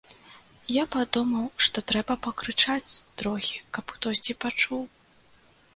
Я падумаў, што трэба пакрычаць трохі, каб хтосьці пачуў.